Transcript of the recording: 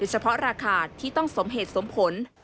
เฉพาะราคาที่ต้องสมเหตุสมผล